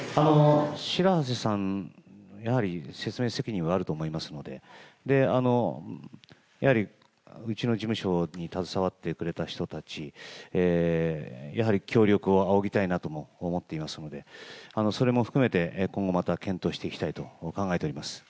白波瀬さんやはり説明責任はあると思いますので、で、やはり、うちの事務所に携わってくれた人たち、やはり協力を仰ぎたいなとも思っていますので、それも含めて、今後また検討していきたいと考えております。